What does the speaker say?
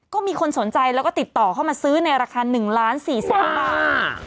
ก็มีคนสนใจแล้วก็ติดต่อเข้ามาซื้อในราคา๑ล้าน๔แสนบาท